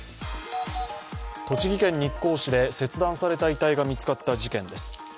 栃木県日光市で切断された遺体が見つかった事件です。